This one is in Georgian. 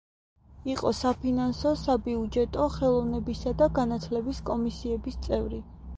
იყო საფინანსო-საბიუჯეტო, ხელოვნებისა და განათლების კომისიების წევრი.